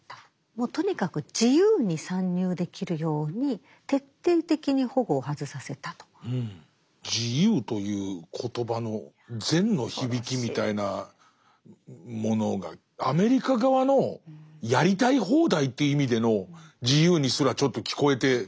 もうとにかく「自由」という言葉の善の響きみたいなものがアメリカ側のやりたい放題という意味での自由にすらちょっと聞こえてきますね。